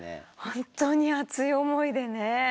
本当に熱い思いでね。